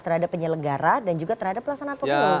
terhadap penyelenggara dan juga terhadap pelaksanaan pemilu